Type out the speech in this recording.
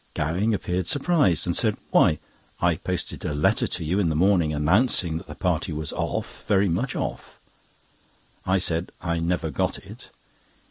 Gowing appeared surprised, and said: "Why, I posted a letter to you in the morning announcing that the party was 'off, very much off.'" I said: "I never got it."